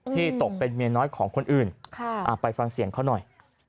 ตกเป็นเมียน้อยของคนอื่นไปฟังเสียงเขาหน่อย